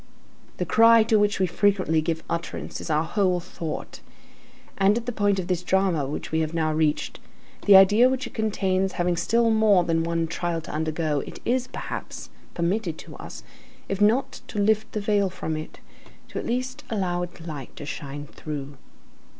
The cry to which we frequently give utterance is our whole thought; and, at the point of this drama which we have now reached, the idea which it contains having still more than one trial to undergo, it is, perhaps, permitted to us, if not to lift the veil from it, to at least allow its light to shine through.